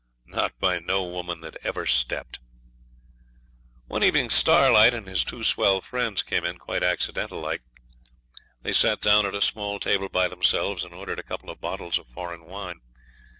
not by no woman that ever stepped. One evening Starlight and his two swell friends comes in, quite accidental like. They sat down at a small table by themselves and ordered a couple of bottles of foreign wine.